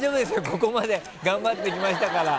ここまで頑張ってきましたから。